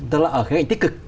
tức là ở cái cạnh tích cực